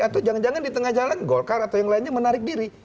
atau jangan jangan di tengah jalan golkar atau yang lainnya menarik diri